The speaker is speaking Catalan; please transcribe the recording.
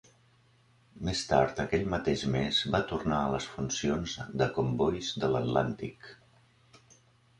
Més tard aquell mateix mes va tornar a les funcions de combois de l'Atlàntic.